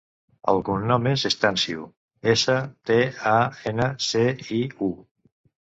El cognom és Stanciu: essa, te, a, ena, ce, i, u.